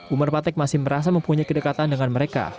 umar patek masih merasa mempunyai kedekatan dengan mereka